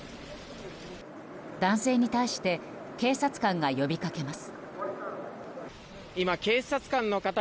男性に対して警察官が呼びかけます。